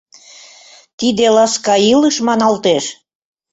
Тиде ласка илыш маналтеш?